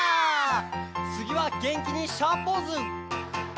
「つぎは元気にシャーポーズ！」